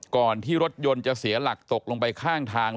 ก่อนที่รถยนต์จะเสียหลักตกลงไปข้างทาง